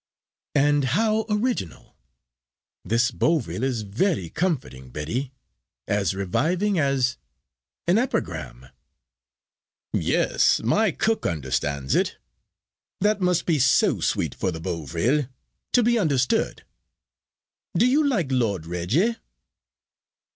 "And how original. This Bovril is very comforting, Betty; as reviving as an epigram." "Yes, my cook understands it. That must be so sweet for the Bovril to be understood! Do you like Lord Reggie?"